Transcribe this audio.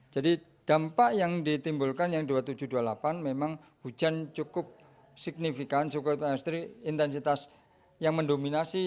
jadi dampak yang ditimbulkan yang dua puluh tujuh dua puluh delapan memang hujan cukup signifikan cukup industri intensitas yang mendominasi